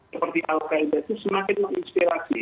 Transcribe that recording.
seperti al qaeda itu semakin menginspirasi